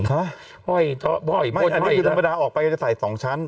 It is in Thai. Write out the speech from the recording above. อ้อยอันนี้คือออกไปจะใส่สองชั้น